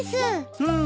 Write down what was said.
うん。